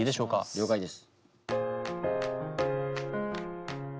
了解です。